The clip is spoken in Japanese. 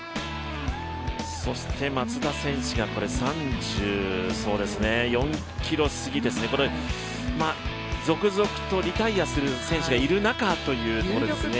そして松田選手が３４ｋｍ過ぎですね続々とリタイアする選手がいる中という状況でですね。